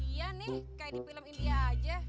iya nih kayak di film india aja